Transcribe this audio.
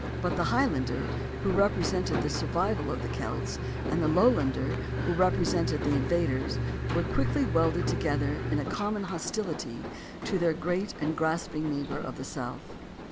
But the High lander, who represented the survival of the Celts, and the Lowlander, who represented the invaders, were quickly welded together in a common hostility to their great and grasping neighbor of the South.